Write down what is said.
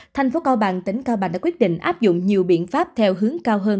thành phố cao bằng tỉnh cao bằng đã quyết định áp dụng nhiều biện pháp theo hướng cao hơn